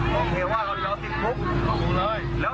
รอสิงปุ๊บอ่าโอเคอ่ะรอสิงปุ๊บถูกเลย